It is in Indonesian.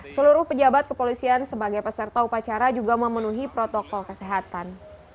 seluruh pejabat kepolisian sebagai peserta upacara juga memenuhi protokol kesehatan